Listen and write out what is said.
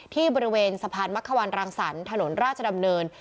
ที่บริเวณสะพานมักขวานรังสรรค์ถนนราชดำเนิน